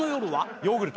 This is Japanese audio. ヨーグルト。